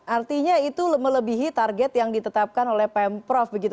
artinya itu melebihi target yang ditetapkan oleh pemprov begitu